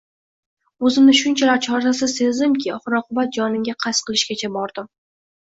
O`zimni shunchalar chorasiz sezdimki, oxir-oqibat, jonimga qasd qilishgacha bordim